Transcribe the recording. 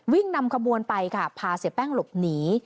นำขบวนไปค่ะพาเสียแป้งหลบหนี